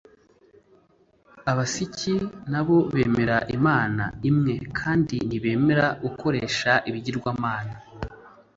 abasiki na bo bemera imana imwe kandi ntibemera gukoresha ibigirwamana